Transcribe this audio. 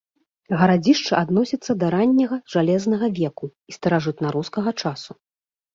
Гарадзішча адносіцца да ранняга жалезнага веку і старажытнарускага часу.